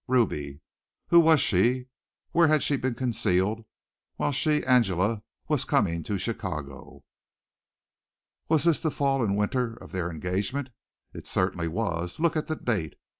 Ruby! Who was she? Where had she been concealed while she, Angela, was coming to Chicago? Was this the fall and winter of their engagement? It certainly was. Look at the date.